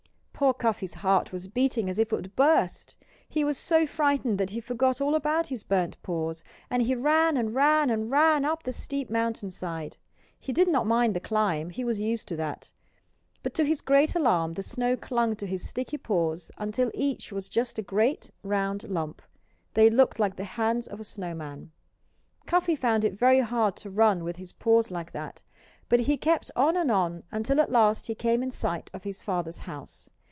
Poor Cuffy's heart was beating as if it would burst. He was so frightened that he forgot all about his burned paws and he ran and ran and ran up the steep mountainside. He did not mind the climb; he was used to that. But to his great alarm the snow clung to his sticky paws until each was just a great, round lump. They looked like the hands of a snow man. Cuffy found it very hard to run with his paws like that. But he kept on and on, until at last he came in sight of his father's house.